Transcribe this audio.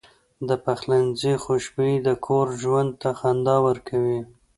د پخلنځي خوشبويي د کور ژوند ته خندا ورکوي.